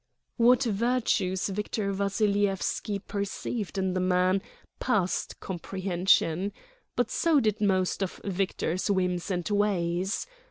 What virtues Victor Vassilyevski perceived in the man passed comprehension. But so did most of Victor's whims and ways.